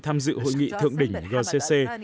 tham dự hội nghị thượng đỉnh gcc